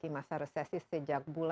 ini lembaga penelitian remaining cow agricult